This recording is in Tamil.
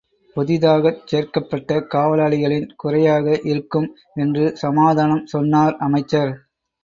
புதிதாகச் சேர்க்கப்பட்ட காவலாளிகளின் குறையாக இருக்கும் என்று சமாதானம் சொன்னார், அமைச்சர்.